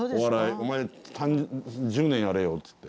お前１０年やれよっつって。